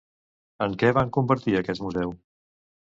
En què va convertir aquest museu?